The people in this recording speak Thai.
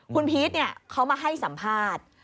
คุณพีชเขามาให้สัมภาษณ์